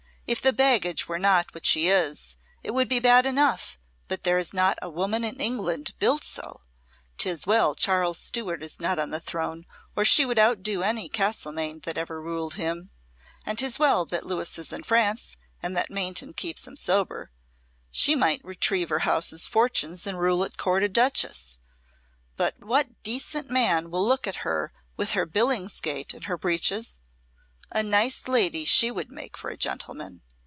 "If the baggage were not what she is, it would be bad enough, but there is not a woman in England built so. 'Tis well Charles Stuart is not on the throne, or she would outdo any Castlemaine that ever ruled him. And 'tis well that Louis is in France and that Maintenon keeps him sober. She might retrieve her house's fortunes and rule at Court a Duchess; but what decent man will look at her with her Billingsgate and her breeches? A nice lady she would make for a gentleman!